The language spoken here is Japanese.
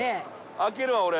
開けるわ俺。